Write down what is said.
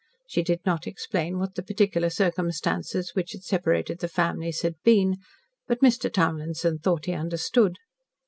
She did not explain what the particular circumstances which had separated the families had been, but Mr. Townlinson thought he understood.